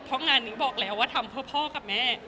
เพราะว่านี้บอกแล้วว่าทำเพราะพ่อและแม่